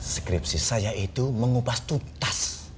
skripsi saya itu mengupas tuntas